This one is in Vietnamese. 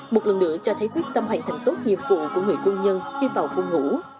một lần nữa cho thấy quyết tâm hoàn thành tốt nhiệm vụ của người quân nhân khi vào khu ngủ